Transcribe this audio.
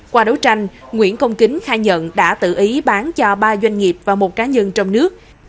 qua đấu tranh nguyễn công kính khai nhận đã tự ý bán cho ba doanh nghiệp và một cá nhân trong nước